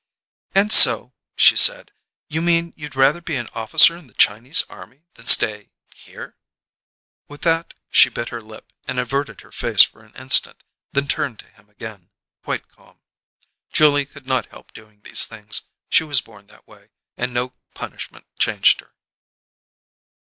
"And so," she said, "you mean you'd rather be an officer in the Chinese army than stay here?" With that, she bit her lip and averted her face for an instant, then turned to him again, quite calm. Julia could not help doing these things; she was born that way, and no punishment changed her.